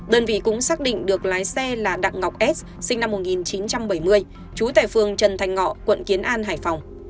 đơn vị cũng xác định được lái xe là đặng ngọc s sinh năm một nghìn chín trăm bảy mươi trú tại phường trần thành ngọ quận kiến an hải phòng